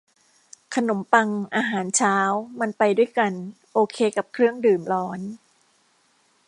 ขนมปังอาหารเช้ามันไปด้วยกันโอเคกับเครื่องดื่มร้อน